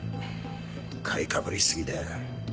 買いかぶり過ぎだよ。